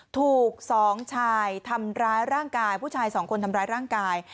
ถูก๒ชายทำร้ายร่างกายผู้ชายสองคนทำร้ายร่างกาย